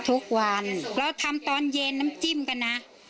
ทุกวันเราทำตอนเย็นน้ำจิ้มกันนะ